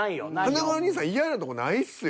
華丸兄さん嫌なとこないっすよ。